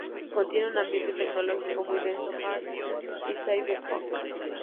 Contiene un ambiente tecnológico muy denso, hard y ciberpunk.